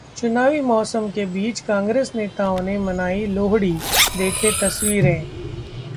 चुनावी मौसम के बीच कांग्रेस नेताओं ने मनाई लोहड़ी, देखें तस्वीरें